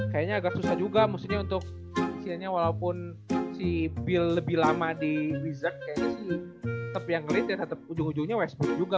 kayaknya agak susah juga maksudnya untuk isinya walaupun si biel lebih lama di wizards kayaknya sih tetep yang ngelit ya tetep ujung ujungnya westbrook juga